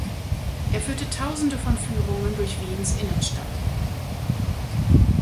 Er führte Tausende von Führungen durch Wiens Innenstadt.